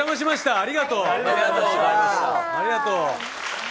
ありがとう。